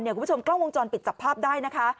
คุณผู้ชมกล้องวงจรปิดจับภาพได้นะคะ